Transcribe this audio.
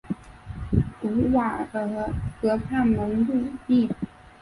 卢瓦尔河畔蒙路易。